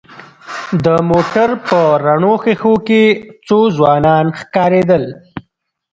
د موټر په رڼو ښېښو کې څو ځوانان ښکارېدل.